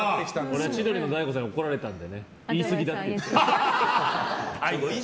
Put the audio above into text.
俺は千鳥の大悟さんに怒られたんで言い過ぎだって。